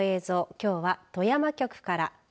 きょうは富山局から。